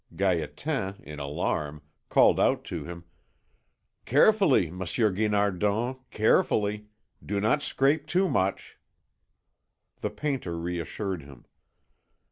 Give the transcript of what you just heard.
Gaétan, in alarm, called out to him: "Carefully, Monsieur Guinardon, carefully. Do not scrape too much." The painter reassured him.